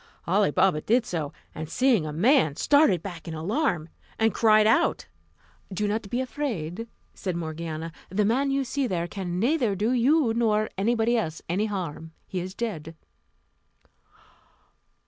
Ali Baba did so, and seeing a man, started back in alarm, and cried out. "Do not be afraid," said Morgiana "the man you see there can neither do you nor anybody else any harm. He is dead."